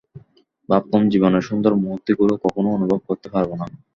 ভাবতাম জীবনের সুন্দর মুহূর্তগুলি কখনই অনুভব করতে পারব না।